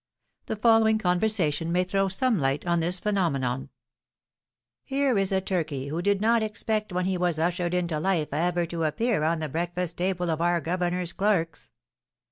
The following conversation may throw some light on this phenomenon: "Here is a turkey who did not expect when he was ushered into life ever to appear on the breakfast table of our governor's clerks."